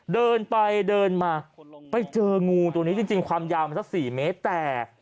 เดินไปเดินมาไปเจองูตัวนี้จริงความยาวมันสัก๔เมตรแต่